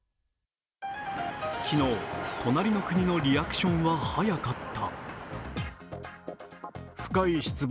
昨日、隣の国のリアクションは早かった。